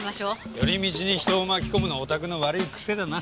寄り道に人を巻き込むのはおたくの悪い癖だな。